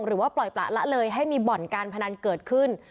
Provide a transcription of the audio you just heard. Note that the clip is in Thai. หรือว่าปล่อยประละเลยให้มีบ่อนการพนันเกิดขึ้น